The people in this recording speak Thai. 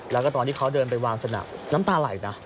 แล้วก็ตอนที่เขาเดินไปวางสนามน้ำตาไหลนะ